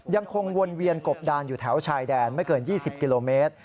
ยังคงวนเวียนกบดานอยู่แถวชายแดนไม่เกิน๒๐กิโลเมตร